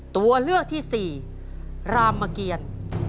ตัวเลือกที่สี่รามเกียร